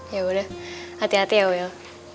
ya boleh hati hati ya wil